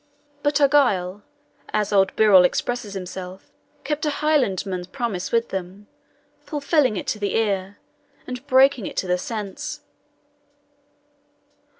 But Argyle, as old Birrell expresses himself, kept a Highlandman's promise with them, fulfilling it to the ear, and breaking it to the sense.